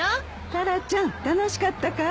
タラちゃん楽しかったかい？